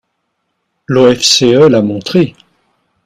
L’OFCE l’a montré.